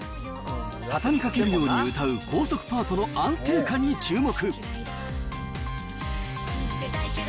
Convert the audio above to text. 畳みかけるように歌う高速パートの安定感に注目。